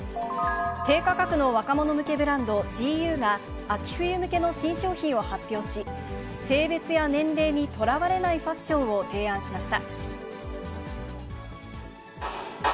低価格の若者向けブランド、ＧＵが、秋冬向けの新商品を発表し、性別や年齢にとらわれないファッションを提案しました。